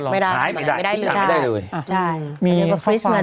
มีรายการราบให้ก่อน